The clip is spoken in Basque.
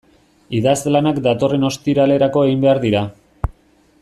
Idazlanak datorren ostiralerako egin behar dira.